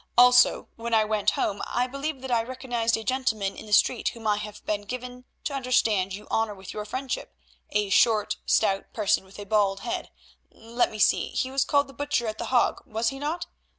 Also, when I went home, I believe that I recognised a gentleman in the street whom I have been given to understand you honour with your friendship, a short, stout person with a bald head; let me see, he was called the Butcher at The Hague, was he not?